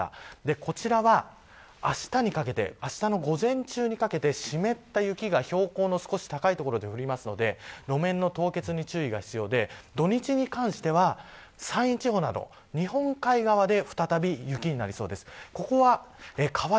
こちらは、あしたにかけてあしたの午前中にかけて湿った雪が、標高の少し高い所で降るので路面の凍結に注意が必要で土日に関しては山陰地方など、日本海側で再び雪になりそうです。